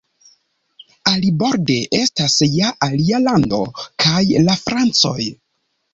Aliborde estas ja alia lando kaj la Francoj!